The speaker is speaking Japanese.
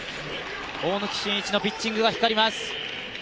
大貫晋一のピッチングが光ります。